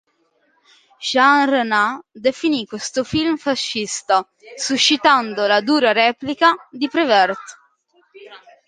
Jean Renoir definì questo film fascista, suscitando la dura replica di Prévert.